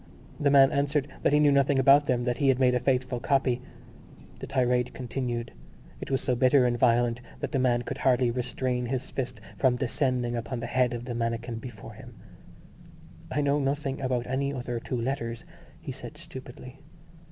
The man answered that he knew nothing about them, that he had made a faithful copy. The tirade continued: it was so bitter and violent that the man could hardly restrain his fist from descending upon the head of the manikin before him: "I know nothing about any other two letters," he said stupidly.